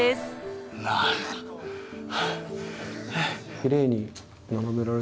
きれいに並べられて。